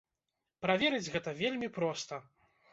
Праверыць гэта вельмі проста.